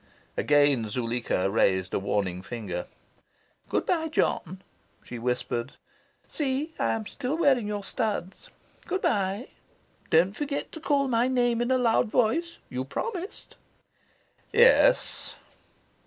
Again Zuleika raised a warning finger. "Good bye, John," she whispered. "See, I am still wearing your studs. Good bye. Don't forget to call my name in a loud voice. You promised." "Yes."